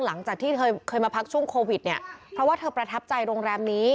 หลังจากที่เธอเคยมาพักช่วงโควิดเนี่ยเพราะว่าเธอประทับใจโรงแรมนี้